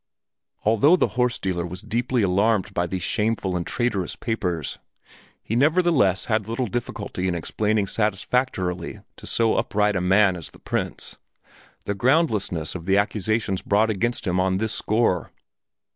Although the horse dealer was deeply alarmed by these shameful and traitorous papers, he nevertheless had little difficulty in explaining satisfactorily to so upright a man as the Prince the groundlessness of the accusations brought against him on this score.